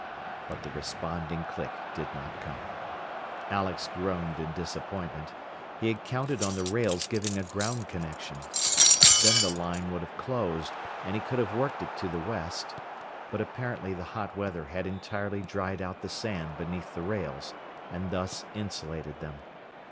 But the responding click did not come. Alex groaned in disappointment. He had counted on the rails giving a "ground" connection. Then the line would have closed, and he could have worked it to the west. But apparently the hot weather had entirely dried out the sand beneath the rails, and thus insulated them.